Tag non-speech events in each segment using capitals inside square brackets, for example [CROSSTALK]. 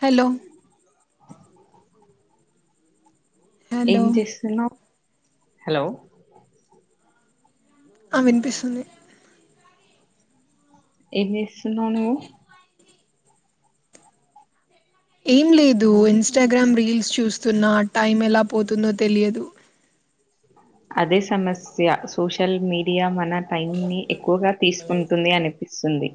Hello hello ఏం చేస్తున్నావు hello ఆ వినిపిస్తుంది ఎం జేస్తున్నావ్ నువ్వు ఏం లేదు ఇన్స్టాగ్రామ్ రీల్స్ చూస్తున్నా టైం ఎలా పోతుందో తెలియదు అదే సమస్య సోషల్ మీడియా మన టైం ని ఎక్కువగా తీసుకుంటుంది అని పిస్తుంది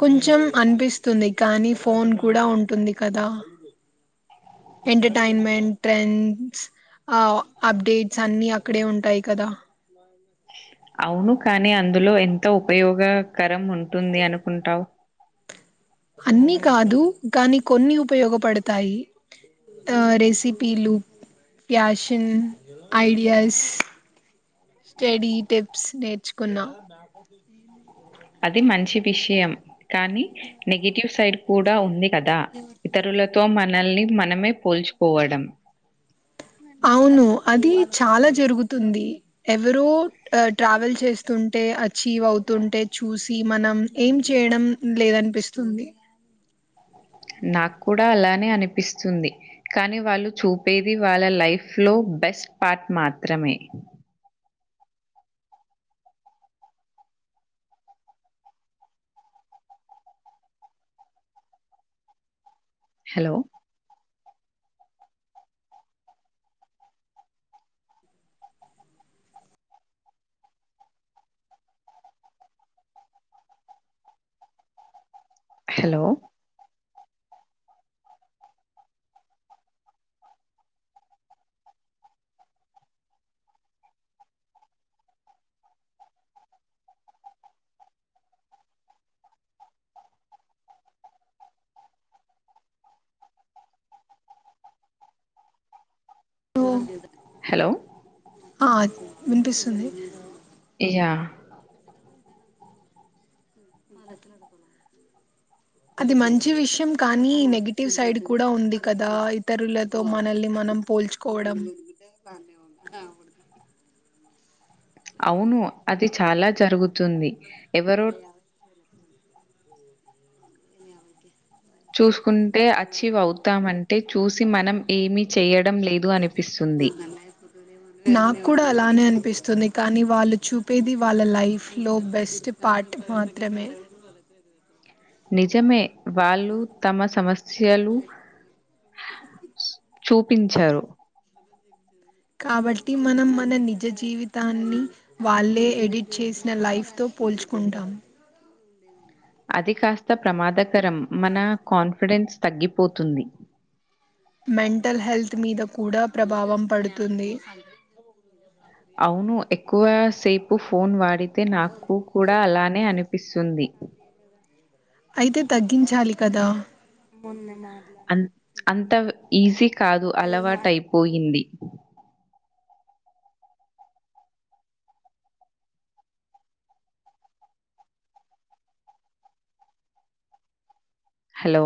కొంచెం అనిపిస్తుంది కానీ ఫోన్ కూడా ఉంటుంది కదా ఎంటర్టైన్మెంట్ ట్రెండ్స్ ఆ అప్డేట్స్ అన్ని అక్కడే ఉంటాయి కదా అవును కానీ అందులో ఎంత ఉపయోగకరం ఉంటుంది అనుకుంటావు అన్ని కాదు గాని కొన్ని ఉపయోగపడతాయి రెసిపీలు ప్యాషన్ ఐడియాస్ స్టడీ టిప్స్ నేర్చుకున్నా అది మంచి విషయం కానీ నెగిటివ్ సైడ్ కూడా ఉంది కదా ఇతరులతో మనల్ని మనమే పోల్చుకోవడం అవును అది చాలా జరుగుతుంది ఎవరో ట్రావెల్ చేస్తు అంటే అచీవ్ అవుతుంటే చూసి మనం ఏం చేయడం లేదనిపిస్తుంది [INAUDIBLE] నాకు కూడా అలానే అనిపిస్తుంది కానీ వాళ్ళు చూపేది వాళ్ళ లైఫ్ లో బె స్ట్ పార్ట్ మాత్రమే హలో హలో ఓ హలో ఆ వినిపిస్తుంది ఇయా [INAUDIBLE] [INAUDIBLE] అది మంచి విషయం కానీ నెగిటివ్ సైడ్ కూడా ఉంది కదా ఇతరులతో మనల్ని మనం పోల్చుకోవడం అవును అది చాలా జరుగుతుంది ఎవరో చూసుకుంటే అచీవ్ అవుతాం అంటే చూసి మనం ఏమి చేయ నాకు కూడా అలానే అనిపిస్ స్తుంది కానీ వాళ్ళు చూపేది వాళ్ళ లైఫ్లో బెస్ట్ పార్ట్ మాత్రమే [INAUDIBLE] నిజమే వాళ్ళు తమ సమస్యలు చూపించారు కాబట్టి మనం మన నిజ జీవితాన్ని వాళ్ళే ఎడిట్ చేసిన లైఫ్ తో పోల్చుకుంటాము అది కాస్త ప్రమాదకరం మన కాన్ఫిడెన్స్ తగ్గిపోతుంది మెంటల్ హెల్త్ మీద కూడా ప్రభావం పడుతుంది అవును ఎక్కువ సేపు ఫోన్ వాడితే నాకు కూడా అలానే అని పిస్తుంది అయితే తగ్గించాలి కదా అన్ అంత ఈజీ కాదు అలవాటు అయిపోయింది హలో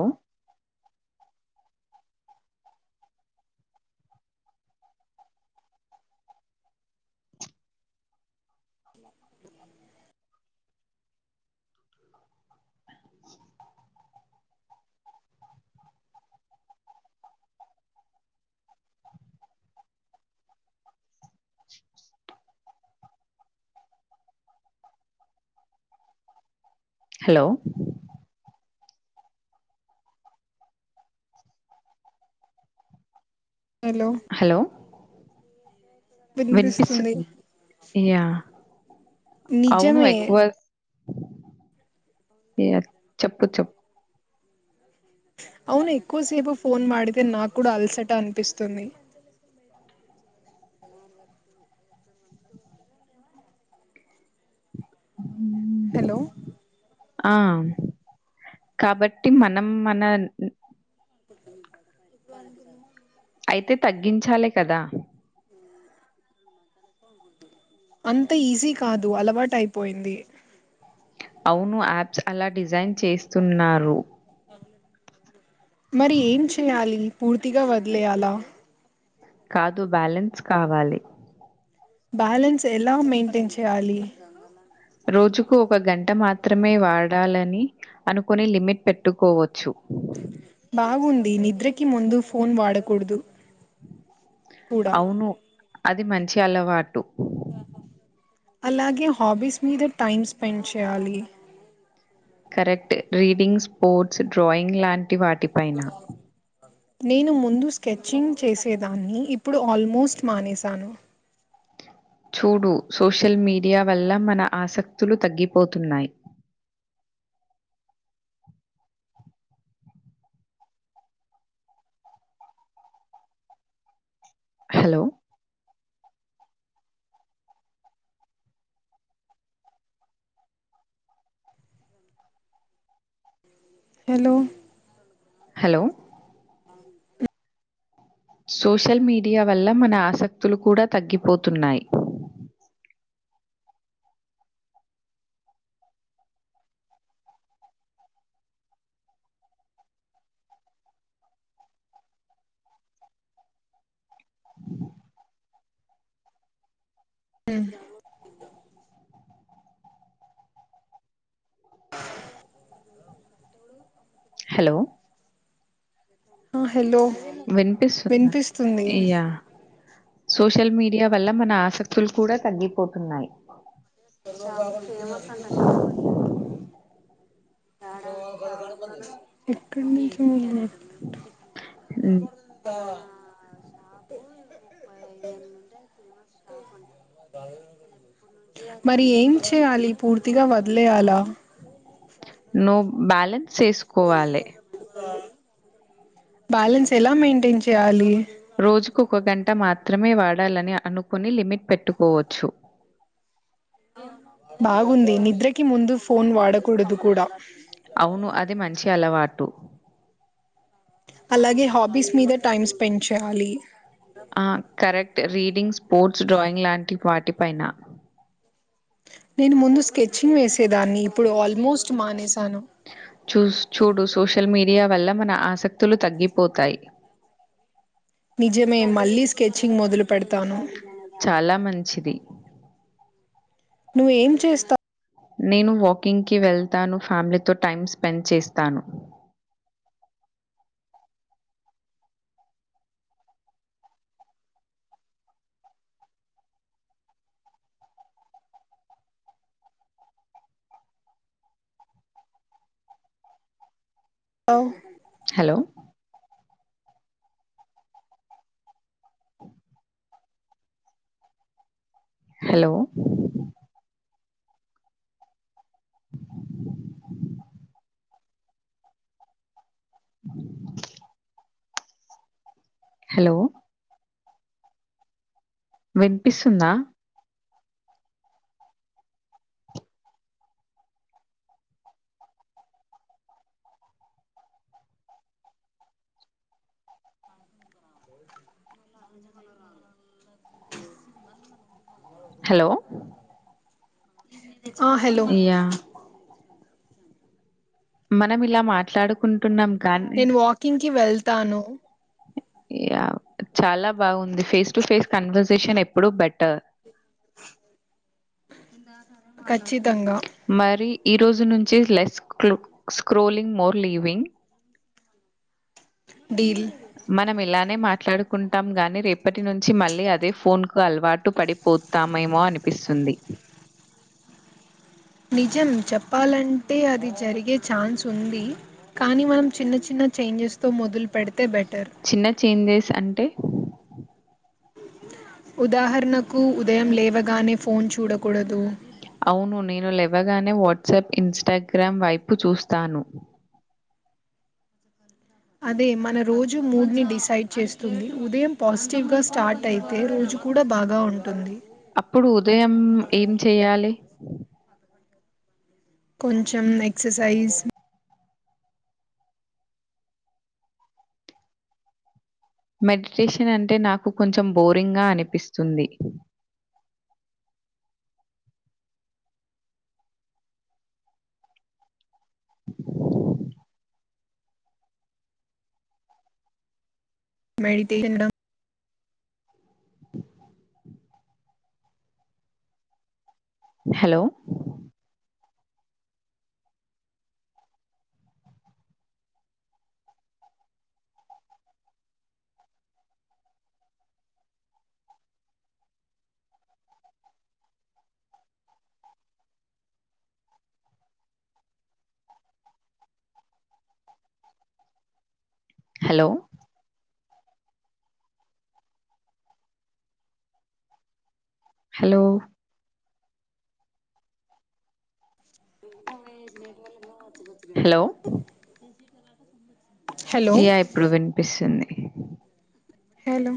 హలో హలో హలో! వినిపిస్తుంది యా అవును నిజమే ఎకువ య చెప్పు చప్ అవును ఎక్కువసేపు ఫోన్ వాడితే నా కూడా అలసట అనిపిస్తుంది హలో ఆ కాబట్టి మనం మన [INAUDIBLE] అయితే తగ్గించాలే కదా అంత ఈజీ కాదు అలవాటు అయిపోయింది అవును యాప్స్ అలా డిజైన్ చేస్తున్నారు మరి ఏం చేయాలి పూర్తిగా వదిలేయాలా కాదు బ్యాలెన్స్ కావాలి బ్యాలెన్స్ ఎలా మెయింటైన్ చేయాలి రోజుకు ఒక గంట మాత్రమే వాడాలని అనుకునే లిమిట్ పెట్టుకోవచ్చు బాగుంది నిద్రకి ముందు ఫోన్ వాడకూడదు కూడా అవును అది మంచి అలవాటు అలాగే హాబీస్ మీద టైం స్పెండ్ చేయాలి కరెక్ట్ రీడింగ్ స్పోర్ట్స్ డ్రాయింగ్ లాంటి వాటిపైన నేను ముందు స్కెచింగ్ చేసేదాన్ని ఇప్పుడు ఆల్మోస్ట్ మానేసాను చూడు సోషల్ మీడియా వల్ల మన ఆసక్తులు తగ్గిపోతున్నాయి hello hello hello social media వల్ల మన ఆసక్తులు కూడా తగ్గిపోతున్నాయి ఆ హలో హలో వినిపిస్తుందా వినిపిస్తుంది అయ్యా సోషల్ మీడియా వల్ల మన ఆసక్తులు కూడా తగ్గిపోతున్నాయి చాలా ఫేమస్ అన్న ఎక్కడ నుంచి హ్మ్. పేమస్ మరి ఏం చేయాలి పూర్తిగా వదిలేయాలా నో బ్యాలెన్స్ చేసుకోవాలె. బ్యాలెన్స్ ఎలా మెయింటైన్ చేయాలి రోజుకో ఒక గంట గంట మాత్రమే వాడాలని అనుకుని లిమిట్ పెట్టుకోవచ్చు బాగుంది నిద్రకి ముందు ఫోన్ వాడకూడదు కూడా అవును అది మంచి అలవాటు అలాగే హాబీస్ మీద టైం స్పెండ్ చేయాలి ఆ కరెక్ట్ రీడింగ్ స్పోర్ట్స్ డ్రాయింగ్ లాంటి వాటి పైన నేను ముందు స్కెచింగ్ వేసేదాన్ని ఇప్పుడు ఆల్మోస్ట్ మానేసి చూస్ చూడు సోషల్ మీడియా వల్ల మన ఆసక్తులు తగ్గిపోతాయి నిజమే మళ్ళీ స్కెచింగ్ మొదలు పెడతాను చాలా మంచిది నువ్వేం చేస్తా నేను వాకింగ్కి వెళ్తాను ఫ్యామిలీతో టైం స్పెండ్ చేస్తాను అ హలో హలో హలో వినిపిస్తుందా అ రా హలో ఆ హలో యాహ్! మనం ఇలా మాట్లాడుకుం నేను వాకింగ్ కి వెళ్తాను య చాలా బాగుంది ఫేస్ టు ఫేస్ కన్వర్సేషన్ ఎప్పుడు బెటర్ కచ్చితంగా మరి ఈ రోజు నుంచి less clue scrolling more living deal మనమెలా మాట్లాడుకుంటాం గానీ రేపటి నుంచి మళ్ళీ అదే ఫోన్ కు అలవాటు పడిపోతాం మేమో అనిపి స్తుంది నిజం చెప్పాలంటే అది జరిగే ఛాన్స్ ఉంది కానీ మనం చిన్న చిన్న చేంజెస్ తో మొదలు పెడితే బట్ చిన్న చేంజెస్ అంటే ఉదాహరణ కు ఉదయం లేవగానే ఫోన్ చూడకూడదు అవును నేను లెవ్వగానే వాట్సాప్ ఇన్స్టాగ్రామ్ వైపు చూస్తాను [INAUDIBLE] అదే మన రోజు మూడ్ ని డిసైడ్ చేస్తుంది ఉదయం పాజిటివ్ గా స్టార్ట్ అయితే రోజు కూడ బాగా ఉంటుంది అప్పుడు ఉదయం ఏం చెయ్యాలి కొంచెం ఎక్ససైజ్ మెడిటేషన్ అంటే నాకు కొంచెం బోరింగ్ గా అనిపిస్తుంది [UNINTELLIGIBLE] మెడిటేషన్ లు hello hello hello [INAUDIBLE] hello hello yeah ఇప్పుడు వినిపిస్తుంది హలో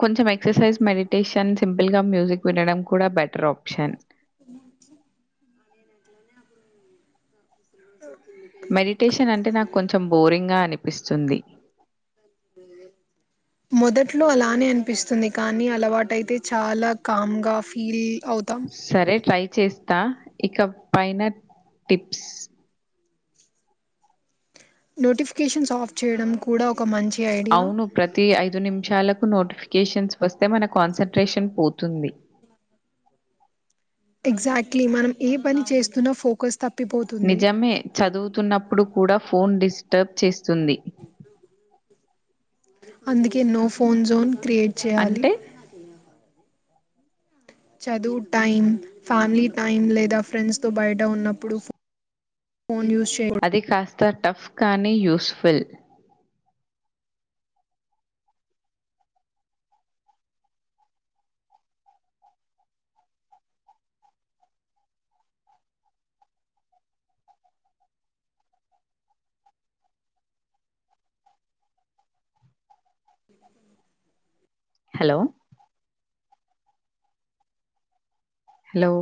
కొంచెం ఎక్సర్సైజ్ మెడిటేషన్ సింపుల్ గా మ్యూజిక్ వినడం కూడా బెట్ ట్రాప్షన్ [UNINTELLIGIBLE] మెడిటేషనంటే నాకు కొంచెం బోరింగా అనిపిస్తుంది [INAUDIBLE] ట్లొ అలానే అనిపిస్తుంది కానీ అలవాటయితే చాలా కామ్ గా ఫీల్ అవుతాం సరే ట్రై చేస్తా ఇక పైన టిప్స్ నోటిఫికేషన్స్ ఆఫ్ చేయడం కూడా ఒక మంచి ఐడియా అవును ప్రతి ఐదు నిమిషాల నోటిఫికేషన్స్ వస్తే మన కాన్సన్ంట్రేషన్ పోతుంది ఎగ్జాక్ట్లీ మనం ఏ పని చేస్తున్నా ఫోకస్ తప్ప నిజమే చదువుతున్నప్పుడు కూడా ఫోన్ డిస్టర్బ్ చేస్ తుంది అందుకే నో ఫోన్ జోన్ క్రియేట్ చేయాలి అంటే చదువు టైం ఫ్యామిలీ టైం లేదా ఫ్రెండ్స్ తో బయట ఉన్నప్పుడు ఫోన్ యూస్ చేయకు అది కాస్త టఫ్ కానీ యూస్ఫుల్ హలో హలో